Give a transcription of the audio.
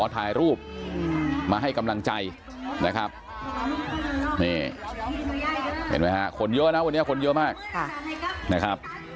ถ่ายรูปมาให้กำรังใจนะครับนี่คนเยอะนะวันนี้คนเยอะ